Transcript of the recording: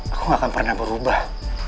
aku gak akan pernah berubah